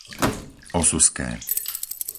Osuské